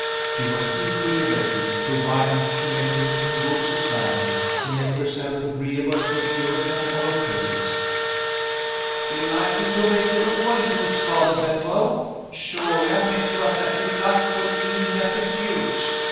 She was equally ready (provided she met him in good society) to make herself agreeable to a Puritan or a Papist. "Delighted to make your acquaintance, Father Benwell. Surely I met you at that delightful evening at the Duke's?